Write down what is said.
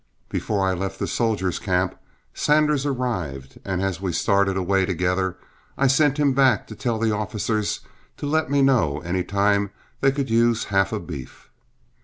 Before I left the soldier camp, Sanders arrived, and as we started away together, I sent him back to tell the officers to let me know any time they could use half a beef.